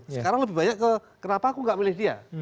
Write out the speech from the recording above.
sekarang lebih banyak ke kenapa aku nggak milih dia